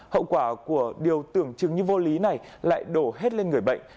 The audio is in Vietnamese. hậu quả của điều tưởng chứng như vô lý này lại đổ hết lên người bệnh